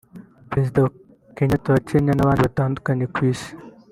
Perezida Kenyatta wa Kenya n’abandi batandukanye ku Isi